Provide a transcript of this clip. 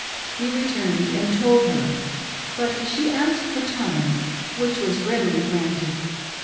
He returned and told her, but she asked for time, which was readily granted.